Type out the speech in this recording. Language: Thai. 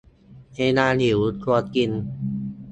เวลาหิว ควรกิน